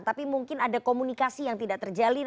tapi mungkin ada komunikasi yang tidak terjalin